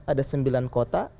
ada sembilan kota